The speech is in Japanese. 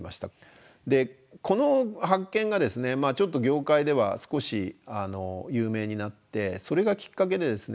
この発見がですねまあちょっと業界では少し有名になってそれがきっかけでですね